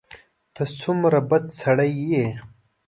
ته څومره بد سړی یې !